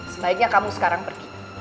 sebaiknya kamu sekarang pergi